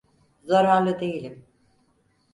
Zararlı değilim…